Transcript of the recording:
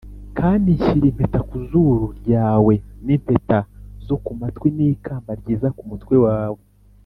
Kandi nshyira impeta ku zuru ryawe n’impeta zo ku matwi, n’ikamba ryiza ku mutwe wawe